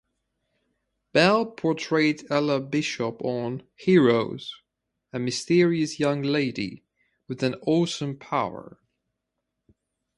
Bell portrayed Elle Bishop on "Heroes", a "mysterious young lady" with an "awesome power".